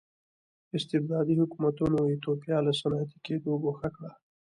استبدادي حکومتونو ایتوپیا له صنعتي کېدو ګوښه کړه.